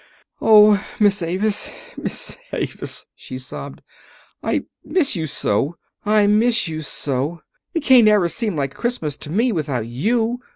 "Oh, Miss Avis! Miss Avis!" she sobbed. "I miss you so I miss you so! It can't ever seem like Christmas to me without you.